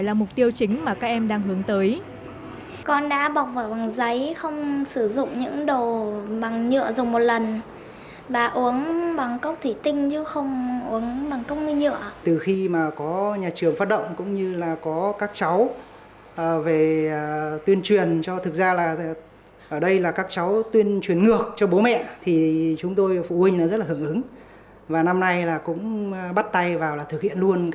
là mục tiêu chính mà các em đang hướng tới